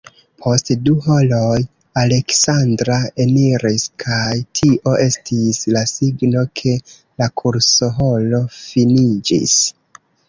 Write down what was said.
Post du horoj Aleksandra eniris kaj tio estis la signo, ke la kursohoro finiĝis.